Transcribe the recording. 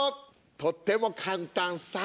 とっても簡単さ。